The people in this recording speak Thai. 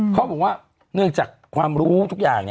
เขาบอกว่าเนื่องจากความรู้ทุกอย่าง